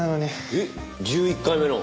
えっ１１回目の？